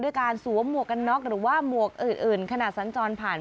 ด้วยการสวมหมวกกะน็อกหรือว่าหมวกอื่นขนาดสั้นจรผ่าน